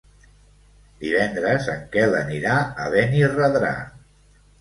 Divendres en Quel anirà a Benirredrà.